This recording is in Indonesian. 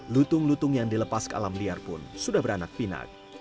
lutung lutung yang dilepas ke alam liar pun sudah beranak pinak